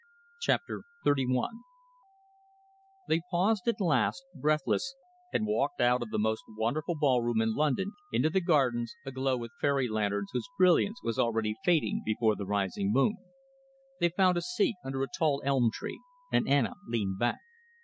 CHAPTER XXXI They paused at last, breathless, and walked out of the most wonderful ballroom in London into the gardens, aglow with fairy lanterns whose brilliance was already fading before the rising moon. They found a seat under a tall elm tree, and Anna leaned back.